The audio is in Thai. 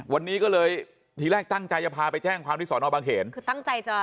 วันนี้ก็เลยที่แรกตั้งใจจะพาไปแจ้งความที่สอนอบางเขน